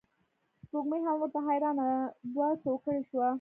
سپوږمۍ هم ورته حیرانه دوه توکړې شوه.